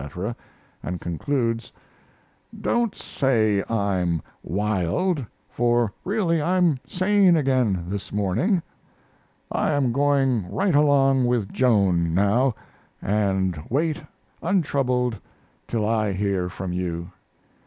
and concludes: Don't say I'm wild. For really I'm sane again this morning. I am going right along with Joan now, and wait untroubled till I hear from you.